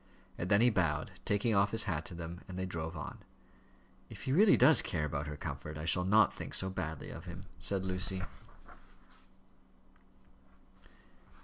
And then he bowed, taking off his hat to them, and they drove on. "If he really does care about her comfort, I shall not think so badly of him," said Lucy.